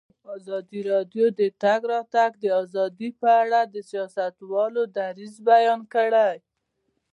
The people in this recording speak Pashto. ازادي راډیو د د تګ راتګ ازادي په اړه د سیاستوالو دریځ بیان کړی.